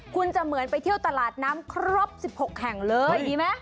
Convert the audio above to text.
คุณจะเหมือนไปเที่ยวตลาดน้ำครบ๑๖แห่งเลยดีไหม